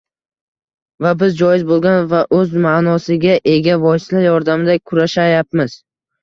va biz joiz bo‘lgan va o‘z ma’nosiga ega vositalar yordamida kurashayapmiz